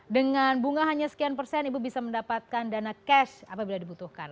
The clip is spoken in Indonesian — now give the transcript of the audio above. dengan bunga hanya sekian persen ibu bisa mendapatkan dana cash apabila dibutuhkan